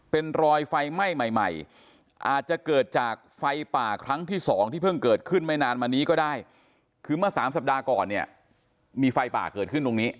เป็นรอยไฟไหม้ใหม่ใหม่อาจจะเกิดจากไฟป่าครั้งที่สองที่เพิ่งเกิดขึ้นไม่นานมานี้ก็ได้คือเมื่อสามสัปดาห์ก่อนเนี่ยมีไฟป่าเกิดขึ้นตรงนี้